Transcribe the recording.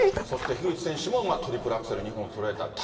そして、樋口選手もトリプルアクセル２本そろえた。